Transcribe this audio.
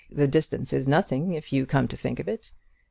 The distance is nothing if you come to think of it.